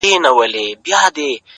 ږغ مي بدل سويدی اوس _